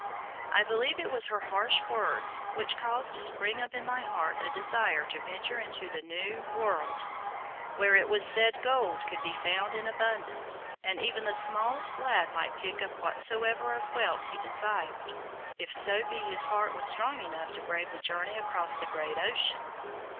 I believe it was her harsh words which caused to spring up in my heart a desire to venture into the new world, where it was said gold could be found in abundance, and even the smallest lad might pick up whatsoever of wealth he desired, if so be his heart was strong enough to brave the journey across the great ocean.